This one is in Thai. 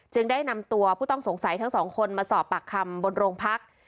ได้นำตัวผู้ต้องสงสัยทั้งสองคนมาสอบปากคำบนโรงพัก